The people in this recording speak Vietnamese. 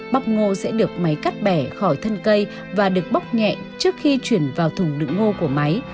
bóc ngô sẽ được máy cắt bẻ khỏi thân cây và được bóc nhẹ trước khi chuyển vào thùng đựng ngô của máy